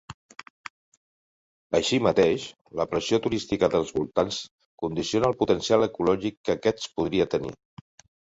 Així mateix, la pressió turística dels voltants condiciona el potencial ecològic que aquest podria tenir.